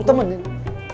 dari teman dini